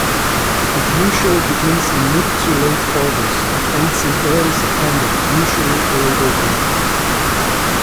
It usually begins in mid-to-late August, and ends in early September, usually Labour Day.